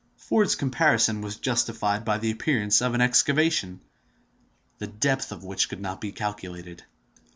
Ford's comparison was justified by the appearance of an excavation, the depth of which could not be calculated.